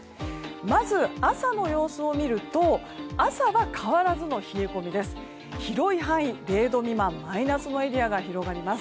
まず朝の様子を見ると朝は変わらずの冷え込みです。